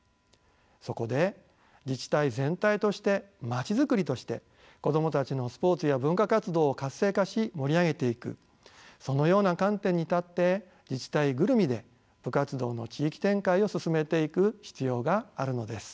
そこで自治体全体としてまちづくりとして子供たちのスポーツや文化活動を活性化し盛り上げていくそのような観点に立って自治体ぐるみで部活動の地域展開を進めていく必要があるのです。